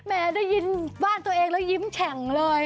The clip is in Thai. ได้ยินบ้านตัวเองแล้วยิ้มแฉ่งเลย